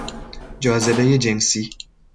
جاذبهی جنسی